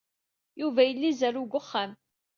Yuba yella izerrew deg uxxam.